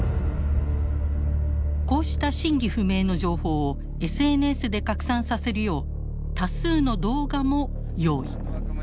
こうした真偽不明の情報をＳＮＳで拡散させるよう多数の動画も用意。